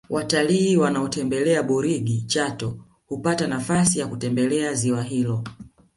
Watalii wanaotembelea burigi chato hupata nafasi ya kutembelea ziwa hilo